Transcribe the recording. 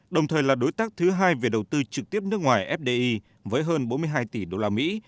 đồng thời là đối tác thứ hai về đầu tư trực tiếp nước ngoài fdi với hơn bốn mươi hai tỷ usd